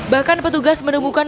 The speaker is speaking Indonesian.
bahkan petugas menemukan